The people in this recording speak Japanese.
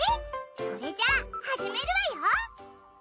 それじゃあ始めるわよ。